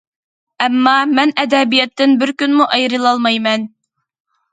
ئەمما مەن ئەدەبىياتتىن بىر كۈنمۇ ئايرىلالمايمەن.